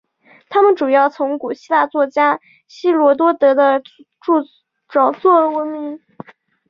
他们主要是从古希腊作家希罗多德的着作闻名。